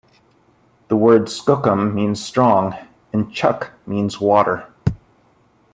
The word "skookum" means "strong", and "chuck" means "water".